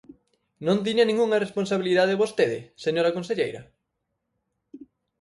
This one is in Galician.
¿Non tiña ningunha responsabilidade vostede, señora conselleira?